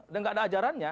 dan nggak ada ajarannya